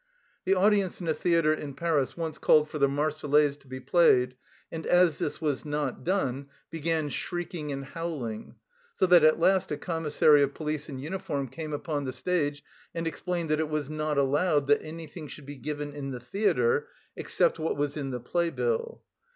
The audience in a theatre in Paris once called for the "Marseillaise" to be played, and as this was not done, began shrieking and howling, so that at last a commissary of police in uniform came upon the stage and explained that it was not allowed that anything should be given in the theatre except what was in the playbill.